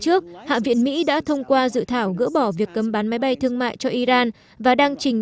trước hạ viện mỹ đã thông qua dự thảo gỡ bỏ việc cấm bán máy bay thương mại cho iran và đang trình